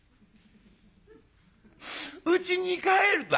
「うちに帰ると」。